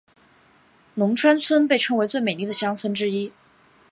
龙川村被称为最美丽的乡村之一。